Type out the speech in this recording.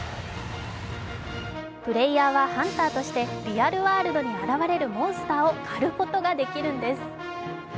プレーヤーはハンターとしてリアルワールドに現れるモンスターを狩ることができるんです。